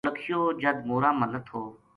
نولکھیو جد مورا ما لتھو